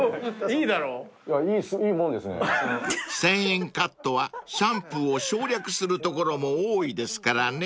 ［１，０００円カットはシャンプーを省略するところも多いですからね］